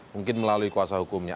mungkin melalui kuasa hukumnya